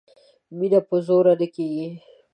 مینه په زور نه کیږي